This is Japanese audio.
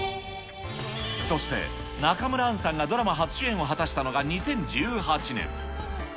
そして、中村アンさんがドラマ初主演を果たしたのが２０１８年。